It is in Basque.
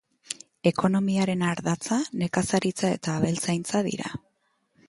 Ekonomiaren ardatza nekazaritza eta abeltzaintza dira.